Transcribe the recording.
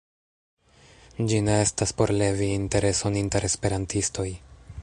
Ĝi ne estas por levi intereson inter Esperantistoj.